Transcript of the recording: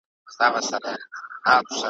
او که دي زړه سو هېرولای می سې `